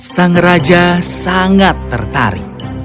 sang raja sangat tertarik